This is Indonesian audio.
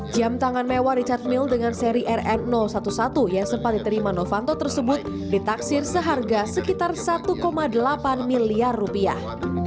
jam tangan mewah richard mill dengan seri rn sebelas yang sempat diterima novanto tersebut ditaksir seharga sekitar satu delapan miliar rupiah